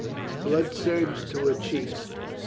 Blood surged to her cheeks.